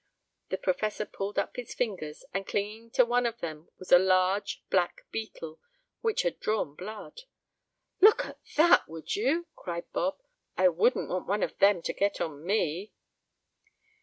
The professor pulled up his fingers, and clinging to one of them was a large, black beetle, which had drawn blood. "Look at that, would you!" cried Bob. "I wouldn't want one of them to get on me."